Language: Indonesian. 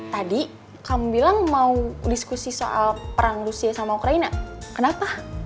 tadi kamu bilang mau diskusi soal perang rusia sama ukraina kenapa